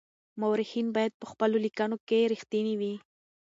مورخین باید په خپلو لیکنو کي رښتیني وي.